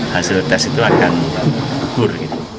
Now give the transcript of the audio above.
hasil tes itu akan gugur